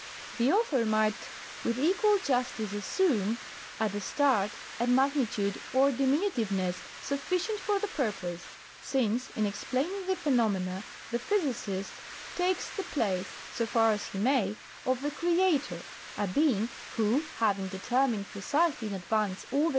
; The author might with equal justice assume at the start a magnitude or diminutiveness sufficient for the purpose, since in explaining the phenomena the physicist takes the place (so far as he may) of the Creator—a being who, having determined precisely in advance all the 156 THE THEORY OF GRAVITATION.